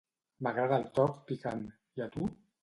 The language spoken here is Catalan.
M'agrada el toc picant, i a tu?